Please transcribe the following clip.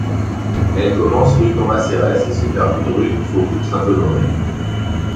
Elle commence rue Cambacérès et se termine rue du Faubourg-Saint-Honoré.